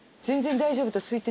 全然大丈夫です。